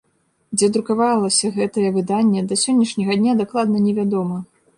Дзе друкавалася гэтае выданне, да сённяшняга дня дакладна не вядома.